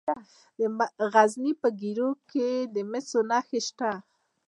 د غزني په ګیرو کې د مسو نښې شته.